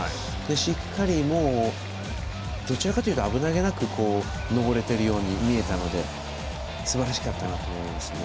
しっかり、どちらかというと危なげなく登れているように見えたのですばらしかったなと思いますね。